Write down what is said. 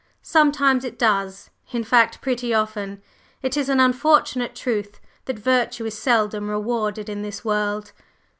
"Sometimes it does; in fact pretty often. It is an unfortunate truth that virtue is seldom rewarded in this world.